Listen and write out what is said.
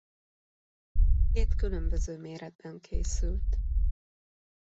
Két különböző méretben készült.